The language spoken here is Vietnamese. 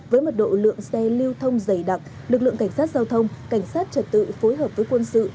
với mật độ lượng xe lưu thông dày đặc lực lượng cảnh sát giao thông cảnh sát trật tự phối hợp với quân sự